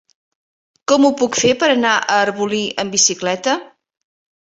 Com ho puc fer per anar a Arbolí amb bicicleta?